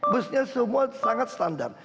busnya semua sangat standar